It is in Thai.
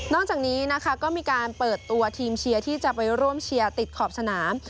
จากนี้นะคะก็มีการเปิดตัวทีมเชียร์ที่จะไปร่วมเชียร์ติดขอบสนาม